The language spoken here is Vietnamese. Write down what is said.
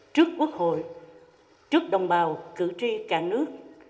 trước quốc hội trước đồng bào cử tri cả nước